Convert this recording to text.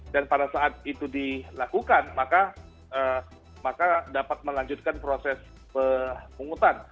dan pada saat itu dilakukan maka dapat melanjutkan proses penghutang